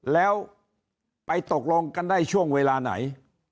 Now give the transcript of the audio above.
แล้วไปตกลงกันได้ช่วงเวลาไหน